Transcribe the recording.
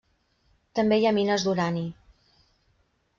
També hi ha mines d'urani.